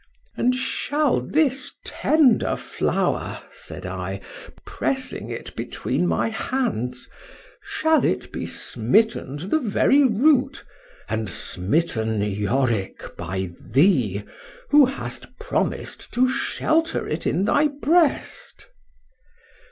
—And shall this tender flower, said I, pressing it between my hands,—shall it be smitten to its very root,—and smitten, Yorick! by thee, who hast promised to shelter it in thy breast?